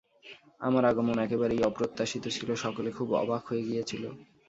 আমার আগমন একেবারেই অপ্রত্যাশিত ছিল, সকলে খুব অবাক হয়ে গিয়েছিল।